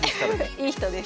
いい人です。